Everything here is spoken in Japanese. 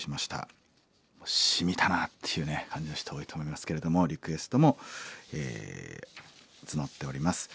しみたなっていうね感じの人多いと思いますけれどもリクエストも募っております。